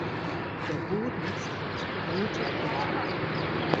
Der Boden zeigt rote Platten.